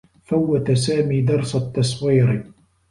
فوّت سامي درس التّصوير.